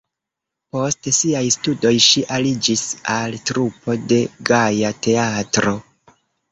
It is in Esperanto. Post siaj studoj ŝi aliĝis al trupo de Gaja Teatro.